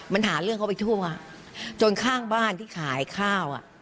มันหาเรื่องเขาไปทั่วจนข้างบ้านที่ขายข้าวอ่ะ